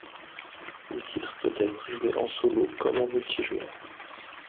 Le titre peut être joué en solo comme en multijoueurs.